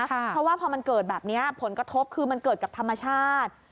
เพราะว่าพอมันเกิดแบบนี้ผลกระทบคือมันเกิดกับธรรมชาติ